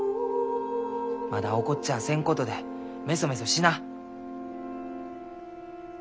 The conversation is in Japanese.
まだ起こっちゃあせんことでめそめそしな。